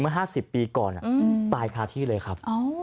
๕๐ปีก่อนตายคาที่เลยครับ